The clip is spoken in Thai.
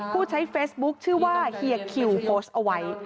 ผู้ใช้เฟซบุ๊คชื่อว่าเฮียคิวโพสต์เอาไว้